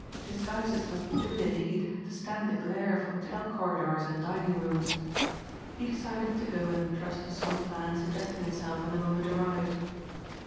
Disguises must be good indeed to stand the glare of hotel corridors and dining rooms. He decided to go and trust to some plan suggesting itself when the moment arrived.